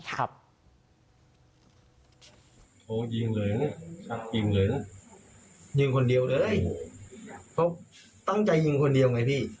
ครับโอ้ยิงเหลือง่ะยิงเหลือง่ะยิงคนเดียวเลยเขาตั้งใจยิงคนเดียวไหมพี่